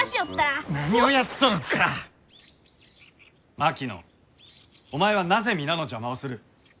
槙野お前はなぜ皆の邪魔をする？